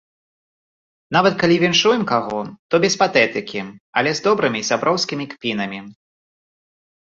Нават калі віншуем каго, то без патэтыкі, але з добрымі сяброўскімі кпінамі.